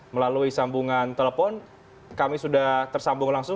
melalui sambungan telepon kami sudah tersambung langsung